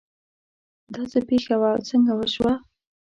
دا څه پېښه وه او څنګه وشوه